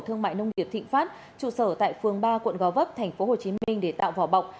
thương mại nông nghiệp thịnh pháp trụ sở tại phường ba quận gò vấp tp hcm để tạo vỏ bọc